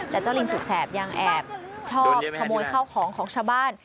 แต่เจ้าลิงสุดแฉบยังแอบชอบขโมยข้าวของของชาวบ้าน